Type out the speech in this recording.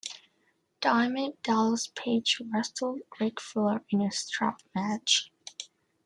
Diamond Dallas Page wrestled Ric Flair in a strap match.